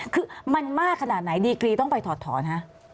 คือมันมากขนาดไหนดีกรีต้องไปถอดถอนฮะ